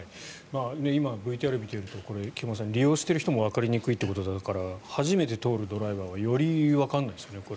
今、ＶＴＲを見ていると菊間さん利用している人もわかりにくいということだから初めて通るドライバーはよりわからないですよね。